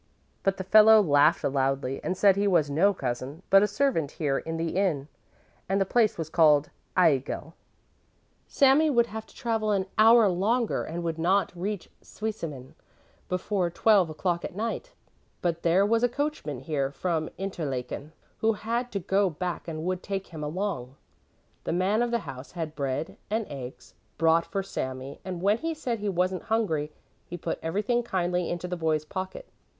But the fellow laughed loudly and said he was no cousin, but a servant here in the inn, and the place was called Aigle. Sami would have to travel an hour longer and would not reach Zweisimmen before twelve o'clock at night. But there was a coachman here from Interlaken, who had to go back and would take him along. The man of the house had bread and eggs brought for Sami and when he said he wasn't hungry, he put everything kindly into the boy's pocket.